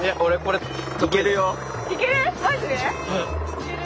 いける？